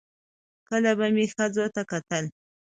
کله به مې ښځو ته کتل